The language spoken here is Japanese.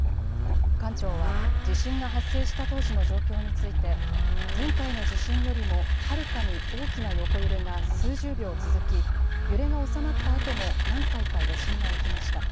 館長は、地震が発生した当時の状況について、前回の地震よりもはるかに大きな横揺れが数十秒続き、揺れが収まったあとも何回か余震が起きました。